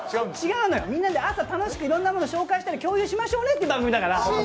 違うのよ、みんなで朝楽しくいろんなものを紹介したり共有しましょうねっていう番組だから。